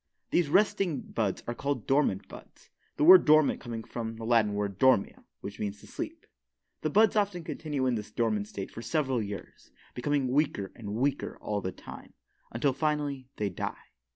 These resting buds are called dormant buds, the word dormant coming from the Latin word "dormio," which means "to sleep." The buds often continue in this dormant state for several years, becoming weaker and weaker all the time, until finally they die.